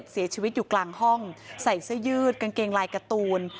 เสียชีวิตอยู่กลางห้องใส่เสื้อยืดกางเกงลายการ์ตูน